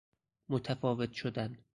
متفاوت شدن